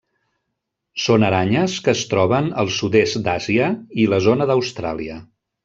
Són aranyes que es troben al Sud-est d'Àsia i la zona d'Austràlia.